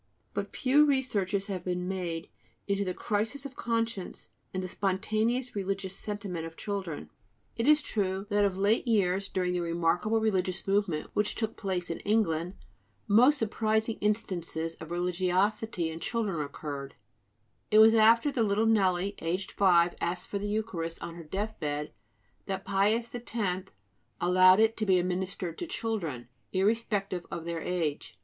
But few researches have been made into the crises of conscience and the spontaneous religious sentiment of children. It is true that of late years, during the remarkable religious movement which took place in England, most surprising instances of religiosity in children occurred; it was after the little Nelly, aged five, asked for the Eucharist on her death bed that Pius X allowed it to be administered to children, irrespective of their age.